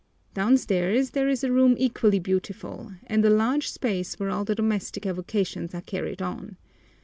Downstairs there is a room equally beautiful, and a large space where all the domestic avocations are carried on.